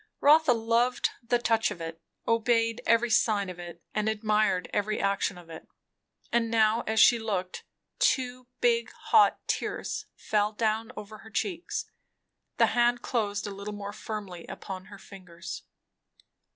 Rotha loved the touch of it, obeyed every sign of it, and admired every action of it; and now as she looked, two big, hot tears fell down over her cheeks. The hand closed a little more firmly upon her fingers.